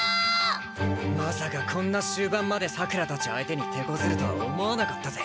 まさかこんな終盤まで佐倉たち相手にてこずるとは思わなかったぜ。